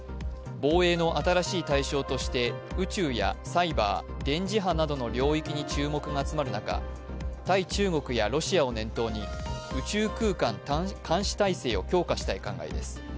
防衛の新しい対象として宇宙やサイバー、電磁波などの領域に注目が集まる中、対中国やロシアを念頭に、宇宙空間監視体制を強化したい考えです。